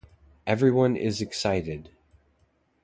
Everyone is excited.